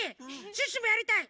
シュッシュもやりたい！